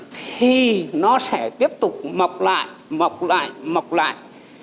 thì nó sẽ tiếp tục mọc lại mọc lại mọc lại